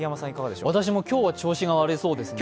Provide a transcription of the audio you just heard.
私も今日は調子が悪そうですね。